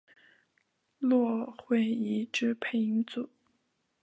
骆慧怡之配音组。